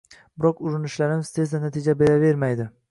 Biroq urinishlarimiz tezda natija beravermaydi.